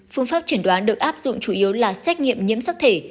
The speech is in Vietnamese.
phương pháp chẩn đoán được áp dụng chủ yếu là xét nghiệm nhiễm sắc thể